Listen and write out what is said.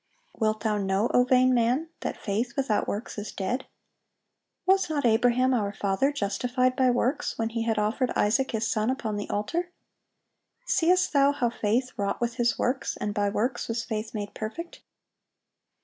Wilt thou know, O vain man, that faith without works is dead? Was not Abraham our father justified by works, when he had offered Isaac his son upon the altar? Seest thou how faith wrought with his works, and by works was faith made perfect?...